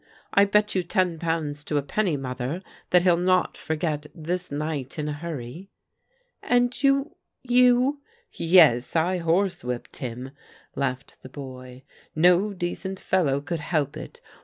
I bet you ten pounds to a penny. Mother, that he'll not forget this night in a hurry." " And you — ^you ?"" Yes, I horsewhipped him," laughed the boy. " No decent fellow could help it.